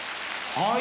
はい。